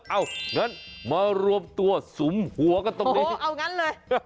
งั้นมารวมตัวสุมหัวกันตรงนี้เอางั้นเลย